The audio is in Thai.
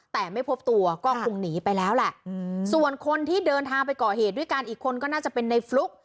แต่ไม่พบตัวก็คงหนีไปแล้วแหละส่วนคนที่เดินทางไปก่อเหตุด้วยกันอีกคนก็น่าจะเป็นในฟลุ๊ก